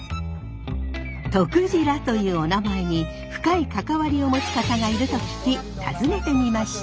とくじらというおなまえに深い関わりを持つ方がいると聞き訪ねてみました。